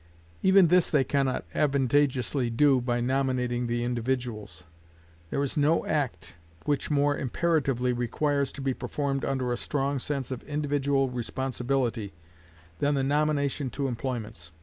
Even this they can not advantageously do by nominating the individuals. There is no act which more imperatively requires to be performed under a strong sense of individual responsibility than the nomination to employments.